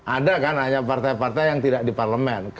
ada kan hanya partai partai yang tidak di parlemen